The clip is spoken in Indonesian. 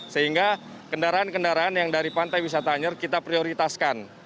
sehingga kendaraan kendaraan yang dari pantai wisata anyer kita prioritaskan